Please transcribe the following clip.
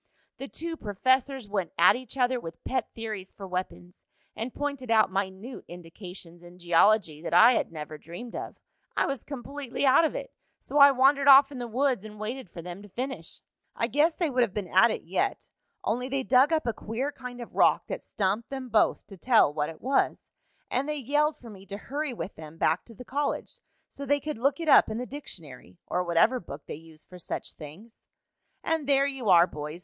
The two professors went at each other with pet theories for weapons, and pointed out minute indications in geology that I had never dreamed of. I was completely out of it, so I wandered off in the woods and waited for them to finish. "I guess they would have been at it yet, only they dug up a queer kind of rock that stumped them both to tell what it was, and they yelled for me to hurry with them back to the college so they could look it up in the dictionary or whatever book they use for such things. "And there you are, boys.